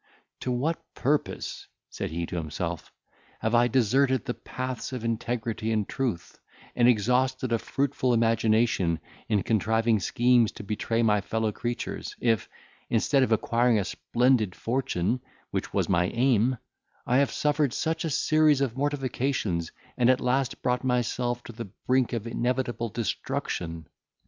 "To what purpose," said he to himself, "have I deserted the paths of integrity and truth, and exhausted a fruitful imagination, in contriving schemes to betray my fellow creatures, if, instead of acquiring a splendid fortune, which was my aim, I have suffered such a series of mortifications, and at last brought myself to the brink of inevitable destruction?